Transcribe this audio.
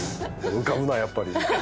浮かぶなやっぱり。